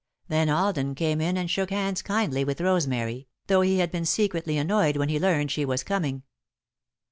Then Alden came in and shook hands kindly with Rosemary, though he had been secretly annoyed when he learned she was coming.